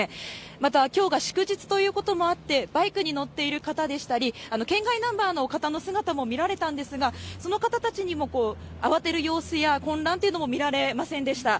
また、きょうが祝日ということもあって、バイクに乗っている方でしたり、県外ナンバーの方の姿も見られたんですが、その方たちにも慌てる様子や混乱というのも見られませんでした。